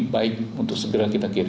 baik untuk segera kita kirim